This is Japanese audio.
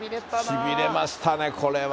しびれましたね、これは。